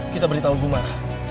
kita beritahu guman